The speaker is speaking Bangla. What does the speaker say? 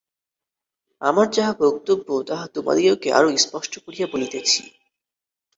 আমার যাহা বক্তব্য, তাহা তোমাদিগকে আরও স্পষ্ট করিয়া বলিতেছি।